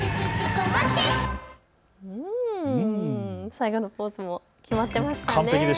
最後のポーズも決まってましたね。